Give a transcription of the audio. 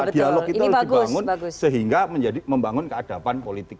dialog itu harus dibangun sehingga membangun keadapan politik kita